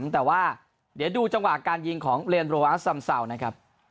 แต่ว่าเดี๋ยวดูจังหวะการยิงของเลนโรวาสซัมเซานะครับ